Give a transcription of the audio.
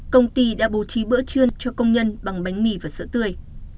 công ty đã bố trí bữa trưa cho công nhân bằng bánh mì và sữa tươi